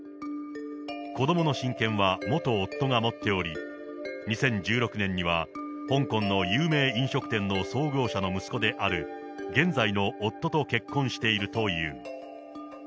子どもの親権は元夫が持っており、２０１６年には、香港の有名飲食店の創業者の息子である現在の夫と結婚しているという。